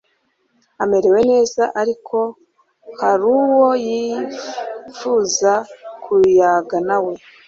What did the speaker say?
amerewe neza…ariko ko haruwo yipfuza kuyaga nawe……